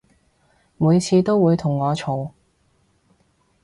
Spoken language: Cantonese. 每次都會同我嘈